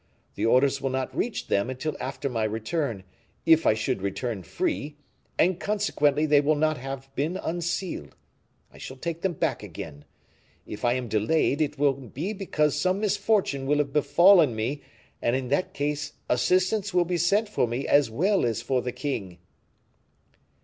The orders will not reach them until after my return, if I should return free, and consequently they will not have been unsealed. I shall take them back again. If I am delayed; it will be because some misfortune will have befallen me; and in that case assistance will be sent for me as well as for the king."